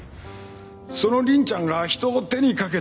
その凛ちゃんが人を手にかけた。